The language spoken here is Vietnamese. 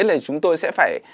thì chúng tôi sẽ phải